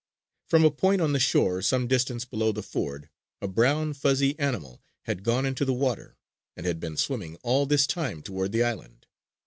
From a point on the shore some distance below the ford a brown, fuzzy animal had gone into the water, and had been swimming all this time toward the island.